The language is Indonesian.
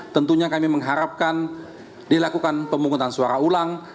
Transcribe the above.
tentunya kami mengharapkan dilakukan pemungutan suara ulang